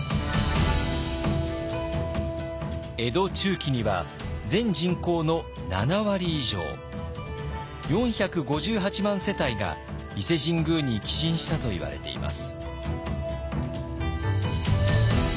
江戸中期には全人口の７割以上４５８万世帯が伊勢神宮に寄進したといわれています。